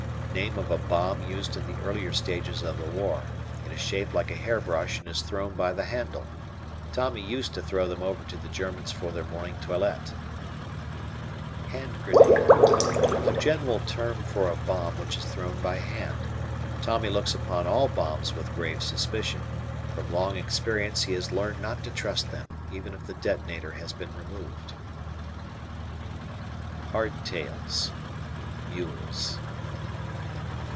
Name of a bomb used in the earlier stages of the war. It is shaped like a hair brush and is thrown by the handle. Tommy used to throw them over to the Germans for their morning toilette. "Hand grenade." A general term for a bomb which is thrown by hand. Tommy looks upon all bombs with grave suspicion; from long experience he has learned not to trust them, even if the detonator has been removed. "Hard tails." Mules.